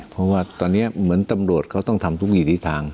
เพราะว่าตอนนี้เหมือนตำรวจเขาต้องทำทุกอย่างที่สิทธิ์ทาง